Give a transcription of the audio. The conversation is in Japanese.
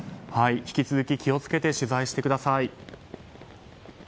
引き続き気を付けて取材してください。